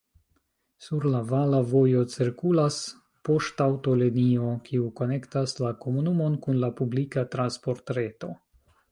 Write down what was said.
Sur la vala vojo cirkulas poŝtaŭtolinio, kiu konektas la komunumon kun la publika transportreto.